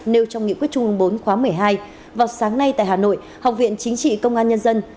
nêu trong nghị quyết trung ương bốn khóa một mươi hai vào sáng nay tại hà nội học viện chính trị công an nhân dân